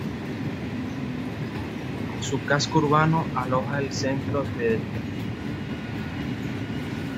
Su casco urbano aloja el centro de detención del Tribunal Penal Internacional.